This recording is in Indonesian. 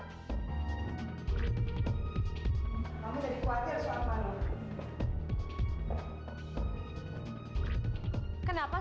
kamu jadi khawatir soal mana